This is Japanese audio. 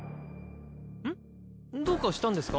どうかしたんですか？